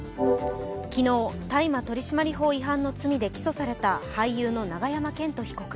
昨日、大麻取締法違反の罪で起訴された俳優の永山絢斗被告。